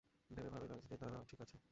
ভেবে ভালোই লাগছে যে তারা ঠিক আছে!